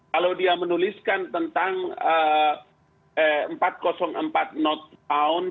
kalau dia menuliskan tentang empat ratus empat knot pound